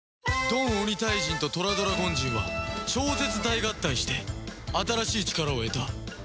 ドンオニタイジンとトラドラゴンジンは超絶大合体して新しい力を得た